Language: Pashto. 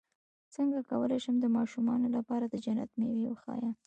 څنګه کولی شم د ماشومانو لپاره د جنت مېوې وښایم